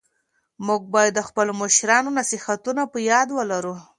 موږ بايد د خپلو مشرانو نصيحتونه په ياد ولرو.